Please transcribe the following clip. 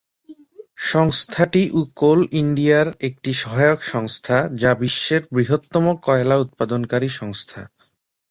সংস্থাটি কোল ইন্ডিয়ার একটি সহায়ক সংস্থা, যা বিশ্বের বৃহত্তম কয়লা উৎপাদনকারী সংস্থা।